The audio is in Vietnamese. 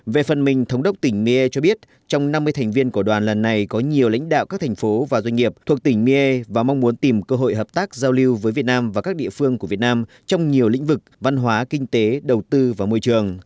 về phần mình thống đốc tỉnh miên cho biết trong năm mươi thành viên của đoàn lần này có nhiều lãnh đạo các thành phố và doanh nghiệp thuộc tỉnh miên và mong muốn tìm cơ hội hợp tác giao lưu với việt nam và các địa phương của việt nam trong nhiều lĩnh vực văn hóa kinh tế đầu tư và môi trường